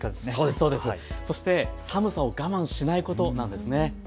そして寒さを我慢しないことなんですね。